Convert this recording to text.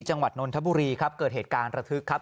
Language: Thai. ที่จังหวัดนนทบุรีครับเกิดเหตุการณ์ระทึกครับ